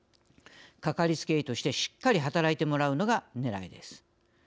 かかりつけ医としてしっかり働いてもらうのがねらいです。